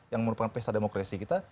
yang merupakan pesta demokrasi kita